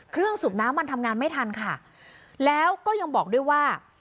สูบน้ำมันทำงานไม่ทันค่ะแล้วก็ยังบอกด้วยว่า